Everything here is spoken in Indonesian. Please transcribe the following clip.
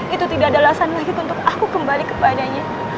itu tidak ada alasan lagi untuk aku kembali kepadanya